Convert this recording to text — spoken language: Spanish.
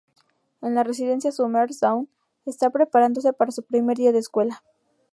En la residencia Summers, Dawn está preparándose para su primer día de escuela.